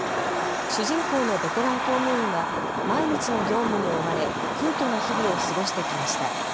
主人公のベテラン公務員は毎日の業務に追われ、空虚な日々を過ごしてきました。